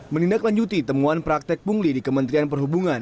menindaklanjuti temuan praktek pungli di kementerian perhubungan